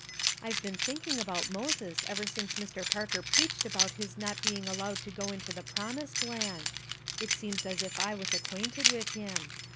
I've been thinking about Moses ever since Mr. Parker preached about his not being allowed to go into the promised land. It seems as if I was acquainted with him.